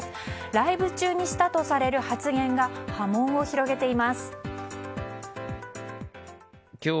ライブ中にしたとされる発言が波紋を広げています。